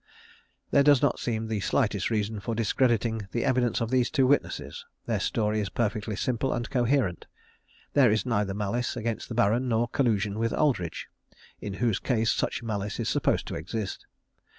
There does not seem the slightest reason for discrediting the evidence of these two witnesses. Their story is perfectly simple and coherent. There is neither malice against the Baron nor collusion with Aldridge, in whose case such malice is supposed to exist.